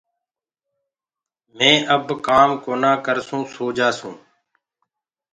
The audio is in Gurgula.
مين اب ڪآم ڪونآ ڪرسون سو جآسون